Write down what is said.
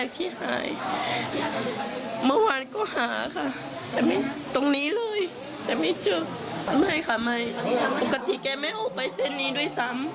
ตะเทียก่ายไม่ออกไปเส้นนี้ด้วยซ้ำ